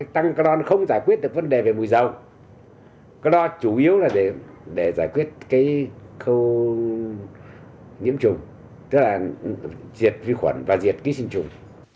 tăng clor không giải quyết được vấn đề về mùi dầu clor chủ yếu là để giải quyết cái khâu nhiễm trùng tức là diệt vi khuẩn và diệt ký sinh trùng